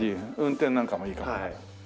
運転なんかもいいかも。